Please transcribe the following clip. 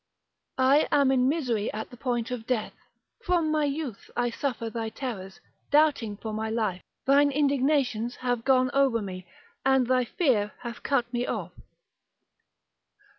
I am in misery at the point of death, from my youth I suffer thy terrors, doubting for my life; thine indignations have gone over me, and thy fear hath cut me off.